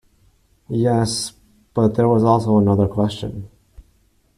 Yes; but there was also another question.